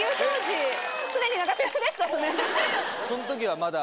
その時はまだ。